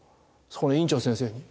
そこの院長先生に。